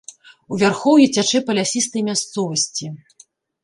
У вярхоўі цячэ па лясістай мясцовасці.